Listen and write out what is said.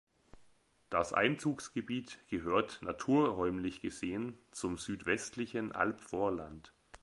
Das Einzugsgebiet gehört naturräumlich gesehen zum Südwestlichen Albvorland.